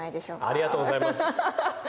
ありがとうございます。